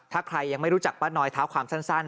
ถ้าใครยังไม่รู้จักป้าน้อยเท้าความสั้น